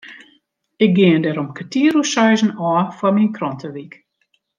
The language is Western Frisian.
Ik gean der om kertier oer seizen ôf foar myn krantewyk.